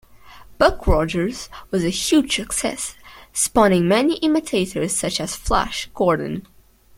"Buck Rogers" was a huge success, spawning many imitators such as "Flash Gordon".